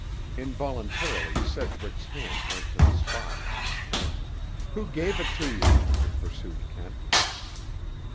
Involuntarily Sedgwick's hand went to the spot. "Who gave it to you?" pursued Kent.